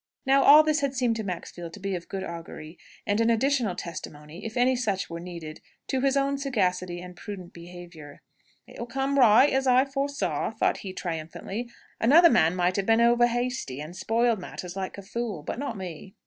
Now all this had seemed to Maxfield to be of good augury, and an additional testimony if any such were needed to his own sagacity and prudent behaviour. "It'll come right, as I foresaw," thought he triumphantly. "Another man might have been over hasty, and spoiled matters like a fool. But not me!"